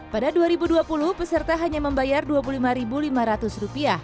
pada dua ribu dua puluh peserta hanya membayar rp dua puluh lima lima ratus